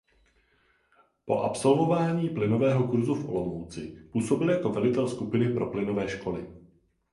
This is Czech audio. Po absolvování plynového kurzu v Olomouci působil jako velitel skupiny pro plynové školy.